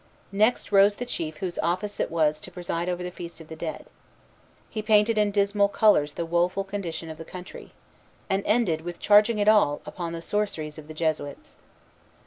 Next rose the chief whose office it was to preside over the Feast of the Dead. He painted in dismal colors the woful condition of the country, and ended with charging it all upon the sorceries of the Jesuits.